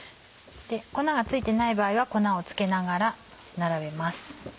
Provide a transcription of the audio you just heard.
粉が付いてない場合は粉を付けながら並べます。